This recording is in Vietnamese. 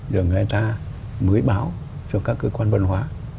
rồi người ta mới báo cho các cơ quan văn hóa